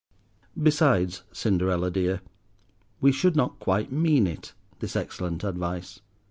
Besides, Cinderella dear, we should not quite mean it—this excellent advice.